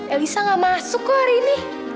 elisa gak masuk kok hari ini